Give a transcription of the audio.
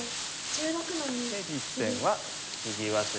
で実戦は右上隅。